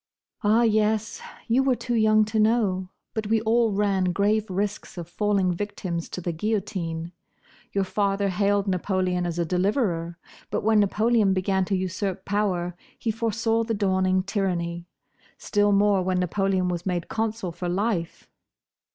"Ah, yes! You were too young to know; but we all ran grave risks of falling victims to the guillotine. Your father hailed Napoleon as a deliverer; but when Napoleon began to usurp power, he foresaw the dawning tyranny; still more when Napoleon was made consul for life.